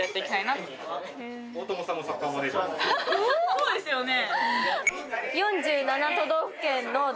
そうですよね。